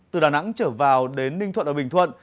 từ đà nẵng trở vào đến ninh thuận và bình thuận